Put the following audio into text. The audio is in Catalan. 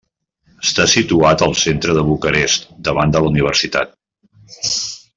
Està situat al centre de Bucarest, davant de la universitat.